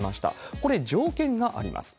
これ、条件があります。